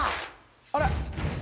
あれ？